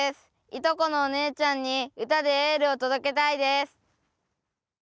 いとこのおねえちゃんに歌でエールを届けたいです！